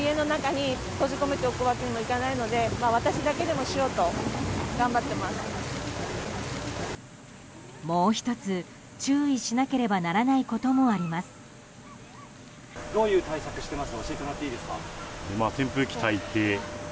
もう１つ、注意しなければならないこともあります。